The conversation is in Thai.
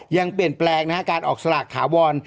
ยังเปลี่ยนแปลงการออกสลากข่าวร